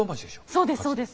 そうです